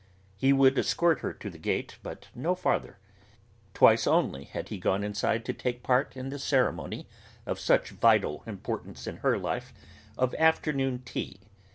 He would escort her to her gate, but no farther. Twice only had he gone inside to take part in the ceremony of such vital importance in her life of 'afternoon tea.'